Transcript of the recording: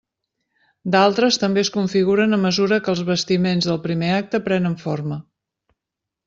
D'altres també es configuren a mesura que els bastiments del primer acte prenen forma.